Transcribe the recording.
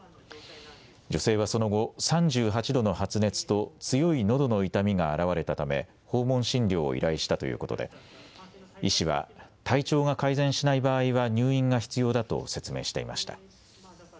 女性はその後、３８度の発熱と強いのどの痛みがあらわれたため訪問診療を依頼したということで医師は体調が改善しない場合は入院が必要だと説明していました。